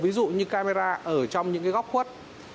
ví dụ như camera ở trong những cái góc khuất